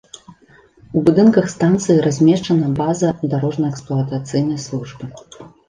У будынках станцыі размешчана база дарожна-эксплуатацыйнай службы.